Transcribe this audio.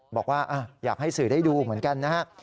บอกว่าอยากให้สื่อได้ดูเหมือนกันนะฮะ